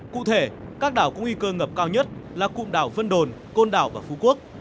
cụ thể các đảo có nguy cơ ngập cao nhất là cụm đảo vân đồn côn đảo và phú quốc